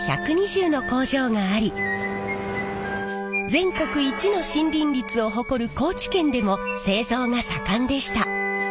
全国一の森林率を誇る高知県でも製造が盛んでした。